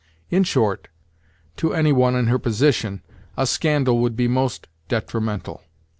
In short, to any one in her position, a scandal would be most detrimental.